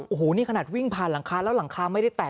โอ้โหนี่ขนาดวิ่งผ่านหลังคาแล้วหลังคาไม่ได้แตก